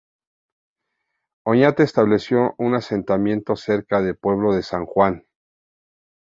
Oñate estableció un asentamiento cerca de Pueblo de San Juan.